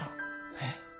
えっ？